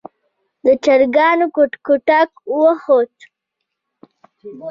د چرګانو کټکټاک وخوت.